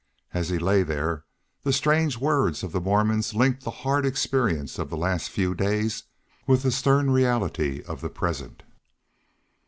As he lay there the strange words of the Mormons linked the hard experience of the last few days with the stern reality of the present.